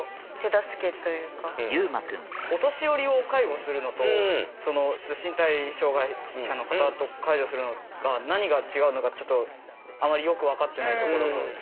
お年寄りを介護するのと身体障害者の方を介助するのが何が違うのかちょっとあまりよく分かってないところが。